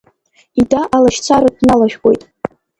Ида алашьцара дналашәкәоит.